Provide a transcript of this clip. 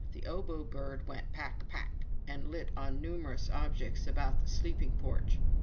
The Obo Bird went "Pak! Pak!" and lit on numerous objects about the sleeping porch.